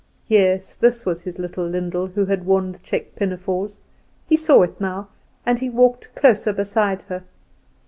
Yes, this was his little Lyndall who had worn the check pinafores; he saw it now, and he walked closer beside her.